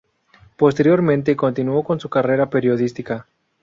Posteriormente continuó con su carrera periodística.